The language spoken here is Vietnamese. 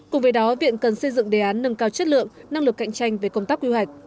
cùng với đó viện cần xây dựng đề án nâng cao chất lượng năng lực cạnh tranh về công tác quy hoạch